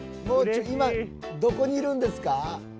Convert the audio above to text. もう中今どこにいるんですか？